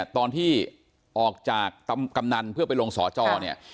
ตอนที่ออกจากกำนันเพื่อไปลงสเจ้า